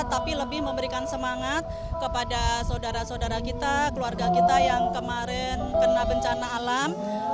tapi lebih memberikan semangat kepada saudara saudara kita keluarga kita yang kemarin kena bencana alam